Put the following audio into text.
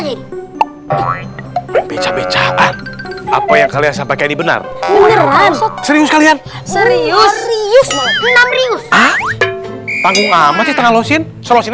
bisa beca becaan apa yang kalian sampai ini benar benar serius serius